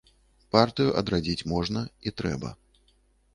Партыю адрадзіць можна і трэба.